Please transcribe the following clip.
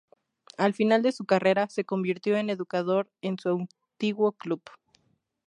Al final de su carrera, se convirtió en educador en su antiguo club.